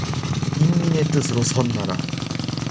인민의 뜻으로 선 나라